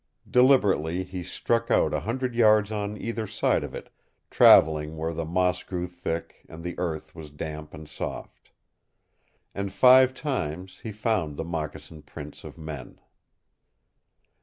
Deliberately he struck out a hundred yards on either side of it, traveling where the moss grew thick and the earth was damp and soft. And five times he found the moccasin prints of men.